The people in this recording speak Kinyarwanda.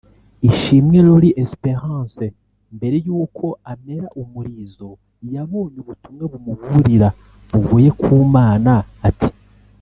Ishimwe Lorie Esperance mbere yuko amera umurizo yabonye ubutumwa bumuburira buvuye ku Mana ati